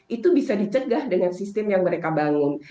itu bisa dicegah dengan sistem yang mereka bangun